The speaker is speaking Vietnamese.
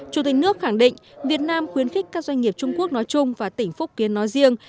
chủ tịch nước khẳng định việt nam khuyến khích các doanh nghiệp trung quốc nói chung và tỉnh phúc kiến nói riêng